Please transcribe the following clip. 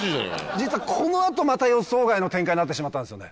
実はこの後また予想外の展開になってしまったんですよね。